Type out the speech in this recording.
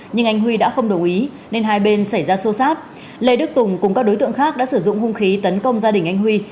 nhưng anh huy đã không đồng ý nên hai bên xảy ra xô xát lê đức tùng cùng các đối tượng khác đã sử dụng hung khí tấn công gia đình anh huy